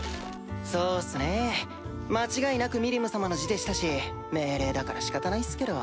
そうっすね間違いなくミリム様の字でしたし命令だから仕方ないっすけど。